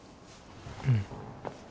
うん。